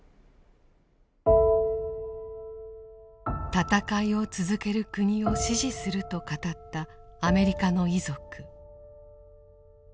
「戦いを続ける国を支持する」と語ったアメリカの遺族。